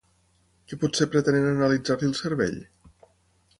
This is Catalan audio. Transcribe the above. ¿Que potser pretenen analitzar-li el cervell?